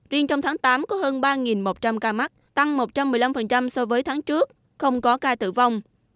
riêng trong tháng tám có hơn ba một trăm linh ca mắc tăng một trăm một mươi năm so với tháng trước không có ca tử vong